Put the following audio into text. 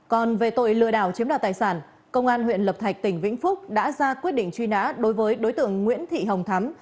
còn về tội lừa đảo chiếm đoạt tài sản công an huyện lập thạch tỉnh vĩnh phúc đã ra quyết định truy nã đối với đối tượng nguyễn thị hồng thắm